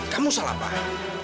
kamu salah pak